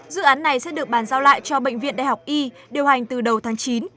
dự án này sẽ được bàn giao lại cho bệnh viện đại học y điều hành từ đầu tháng chín